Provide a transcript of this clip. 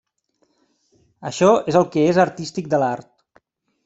Això és el que és artístic de l'art.